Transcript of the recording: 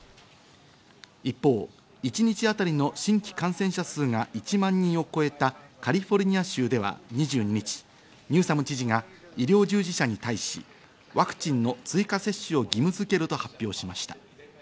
一方、一日当たりの新規感染者数が１万人を超えたカリフォルニア州では２２日、ニューサム知事が医療従事者に対し、ワクチンの追加接種を義務づけると発表しました。